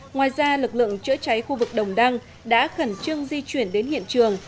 ngoài ra lực lượng chữa cháy khu vực đồng đăng đã khẩn trương di chuyển đến hiện trường